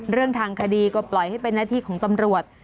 เรื่องทางคดีก็ปล่อยให้เป็นหน้าที่ของตำรวจ